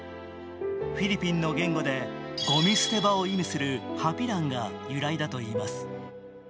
フィリピンの言語でごみ捨て場を意味するハピランが由来だといいます。